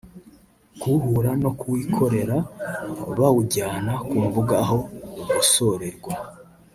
kuwuhura no kuwikorera bawujyana ku mbuga aho ugosorerwa